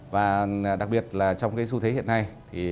và đặc biệt là trong cái xu thế hiện nay